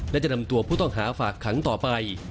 และจะนำตัวผู้ต้องหาฝากขังต่อไป